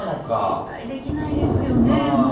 信頼できないですよね。